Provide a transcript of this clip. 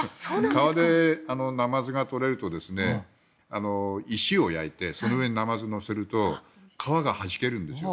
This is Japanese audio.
川でナマズが取れると石を焼いてその上にナマズを乗せると皮がはじけるんですよ